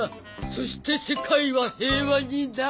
そして世界は平和になる。